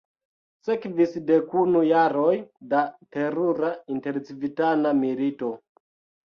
Sekvis dekunu jaroj da terura intercivitana milito.